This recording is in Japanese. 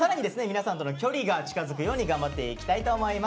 皆さんとの距離が近づくように頑張っていきたいと思います。